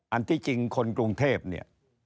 อันที่จริงคนกรุงเทพเนี่ย